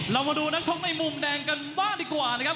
เรามาดูนักชกในมุมแดงกันบ้างดีกว่านะครับ